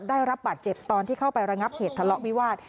ได้รับบาดเจ็บตอนที่เข้าไประงับเหตุทะเลาะวิวาส